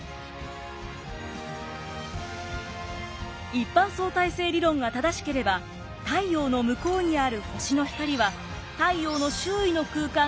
一般相対性理論が正しければ太陽の向こうにある星の光は太陽の周囲の空間がゆがむことによって曲げられ